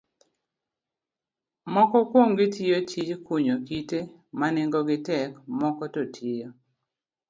Moko kuomgi tiyo tij kunyo kite ma nengogi tek, moko to tiyo